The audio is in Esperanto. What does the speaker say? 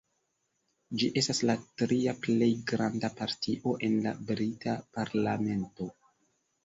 Ĝi estas la tria plej granda partio en la brita parlamento.